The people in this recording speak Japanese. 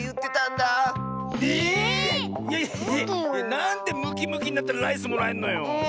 なんでムキムキになったらライスもらえんのよ。